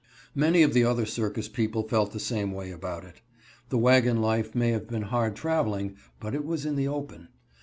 Many of the other circus people felt the same way about it. The wagon life may have been hard traveling, but it was in the open.